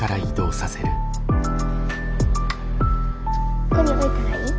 ここに置いたらいい？